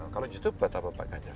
youtube apa pak genjer